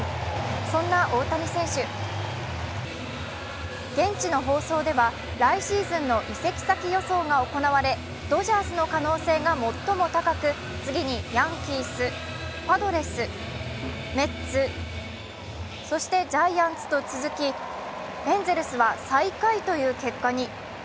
そんな大谷選手、現地の放送では来シーズンの移籍先予想が行われドジャースの可能性が最も高く、次にヤンキース、パドレス、メッツ、そしてジャイアンツと続き、エンゼルスは最下位という結果に。